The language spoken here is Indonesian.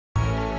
saya mau pergi